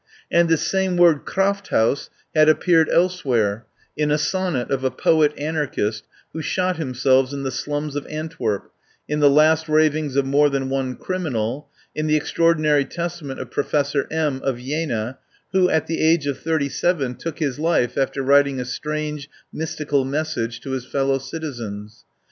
And this same word, Krafthaus, had appeared else where — in a sonnet of a poet anarchist who shot himself in the slums of Antwerp, in the last ravings of more than one criminal, in the extraordinary testament of Professor M , of Jena, who, at the age of thirty seven, took his life after writing a strange, mystical mes sage to his fellow citizens.